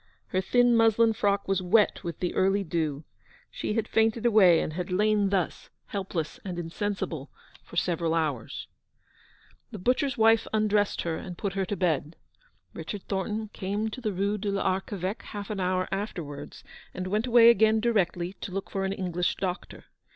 Her thin muslin frock was wet with the early dew. She had fainted away, and had lain thus, helpless and insensible, for several hours. The butcher's wife undressed her and put her to bed. Richard Thornton came to the Rue de TArcheveque half an hour afterwards, and went away again directly to look for an English doctor.